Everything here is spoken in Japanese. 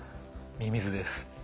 ミミズです。